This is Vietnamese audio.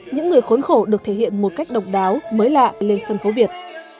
những người khốn khổ được thể hiện một cách độc đáo mới lạ lên sân khấu việt